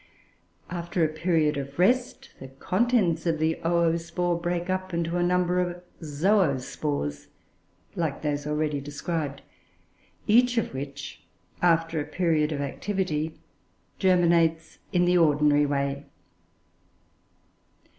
After a period of rest, the contents of the oospore break up into a number of zoospores like those already described, each of which, after a period of activity, germinates in the ordinary way.